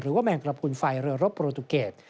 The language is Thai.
แมงกระพุนไฟเรือรบโปรตูเกต